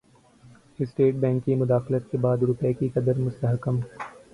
state Bank کی مداخلت کے بعد روپے کی قدر مستحکم